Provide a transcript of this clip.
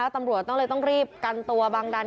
ตำร่วดต้องรีบกันตัวบางดัน